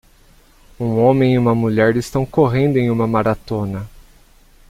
Um homem e uma mulher estão correndo em uma maratona.